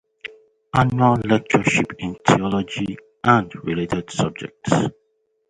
Annual lectureship in theology and related subjects.